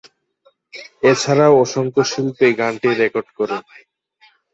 এছাড়াও অসংখ্য শিল্পী গানটি রেকর্ড করেন।